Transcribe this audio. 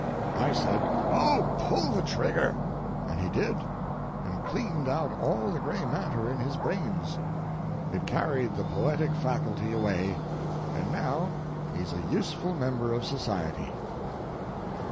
I said, "Oh, pull the trigger!" and he did, and cleaned out all the gray matter in his brains. It carried the poetic faculty away, and now he's a useful member of society.